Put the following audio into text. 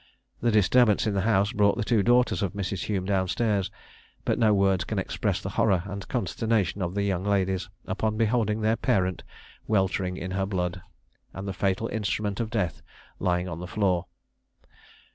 The disturbance in the house brought the two daughters of Mrs. Hume down stairs; but no words can express the horror and consternation of the young ladies upon beholding their parent weltering in her blood, and the fatal instrument of death lying on the floor.